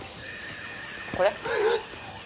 これ？